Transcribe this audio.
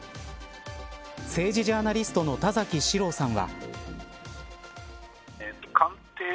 政治ジャーナリストの田崎史郎さんは。